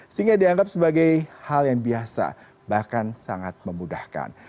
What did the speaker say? sehingga dianggap sebagai hal yang biasa bahkan sangat memudahkan